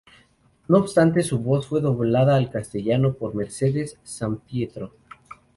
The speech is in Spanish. No obstante, su voz fue doblada al castellano por Mercedes Sampietro